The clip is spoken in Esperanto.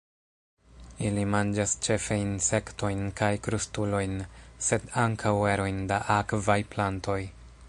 Ili manĝas ĉefe insektojn kaj krustulojn, sed ankaŭ erojn da akvaj plantoj.